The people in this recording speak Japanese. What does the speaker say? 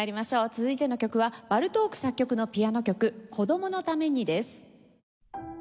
続いての曲はバルトーク作曲のピアノ曲『子供のために』です。